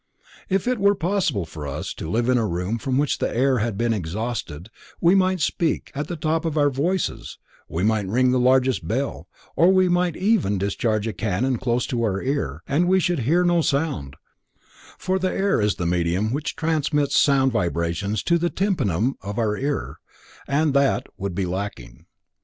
If it were possible for us to live in a room from which the air had been exhausted we might speak at the top of our voices, we might ring the largest bell or we might even discharge a cannon close to our ear and we should hear no sound, for air is the medium which transmits sound vibrations to the tympanum of our ear, and that would be lacking.